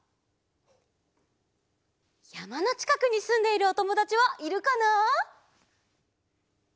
やまのちかくにすんでいるおともだちはいるかな？